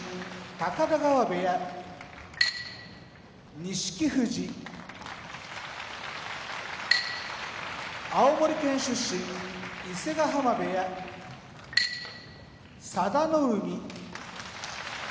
高田川部屋錦富士青森県出身伊勢ヶ濱部屋佐田の海